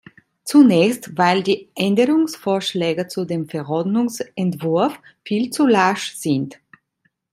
Zunächst weil die Änderungsvorschläge zu dem Verordnungsentwurf viel zu lasch sind.